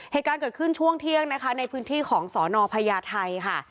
เหตุการณ์เกิดขึ้นช่วงเที่ยงนะคะในพื้นที่ของสนพญาไทยค่ะ